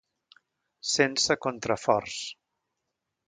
Sense contraforts.